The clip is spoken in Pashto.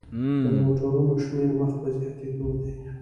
د موټرونو شمیر مخ په زیاتیدو دی.